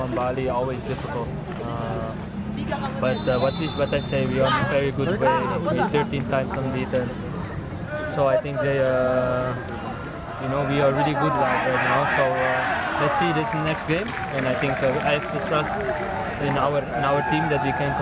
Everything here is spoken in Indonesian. keduanya optimis persib daisuke sato dan ezra walian menilai laga kontra juara bertahun tahun ketatkan keputusan menang